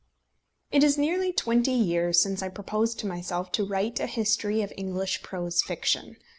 It is nearly twenty years since I proposed to myself to write a history of English prose fiction.